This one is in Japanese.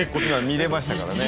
見れましたからね。